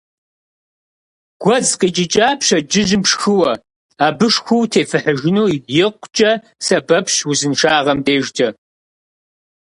Гуэдз къикӏыкӏа пщэдджыжьым пшхыуэ, абы шху утефыхьыжыну икъукӏэ сэбэпщ узыншагъэм дежкӏэ.